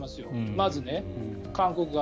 まず韓国側。